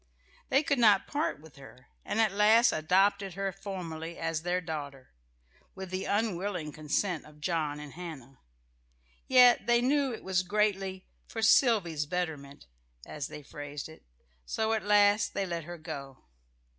They could not part with her, and at last adopted her formally as their daughter, with the unwilling consent of John and Hannah. Yet they knew it was greatly "for Sylvy's betterment," as they phrased it; so at last they let her go.